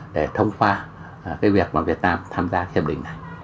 để thông qua cái việc mà việt nam tham gia hiệp định này